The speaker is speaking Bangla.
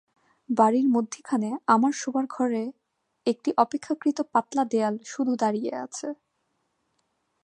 বাড়ির মধ্যিখানে আমার শোবার ঘরের একটি অপেক্ষাকৃত পাতলা দেয়াল শুধু দাঁড়িয়ে আছে।